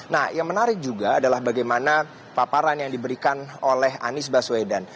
nah yang menarik juga adalah bagaimana paparan yang diberikan oleh anies baswedan